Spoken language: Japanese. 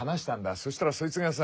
・そしたらそいつがさ